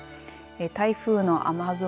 台風の雨雲